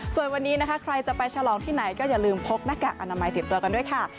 ส่วนวันนี้นะคะใครจะไปฉลองที่ไหนก็อย่าลืมพกหน้ากากอนามัยติดตัวกันด้วยค่ะ